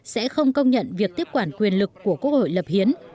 sẽ không công nhận việc tiếp quản quyền lực của quốc hội lập hiến